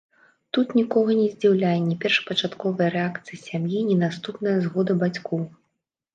Тут нікога не здзіўляе ні першапачатковая рэакцыя сям'і, ні наступная згода бацькоў.